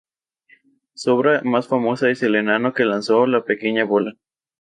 Su obra más famosa es "El enano que lanzó la pequeña bola".